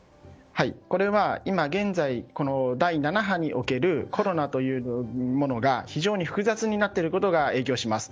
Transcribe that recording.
これは今現在、第７波におけるコロナというものが非常に複雑になっていることが影響します。